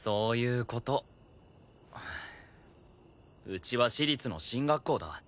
うちは私立の進学校だ。